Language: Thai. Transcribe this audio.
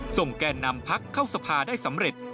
แก่นำพักเข้าสภาได้สำเร็จ